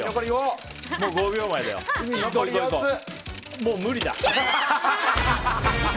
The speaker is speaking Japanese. もう無理だ。